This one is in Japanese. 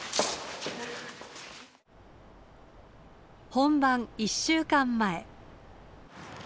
本番１週間前。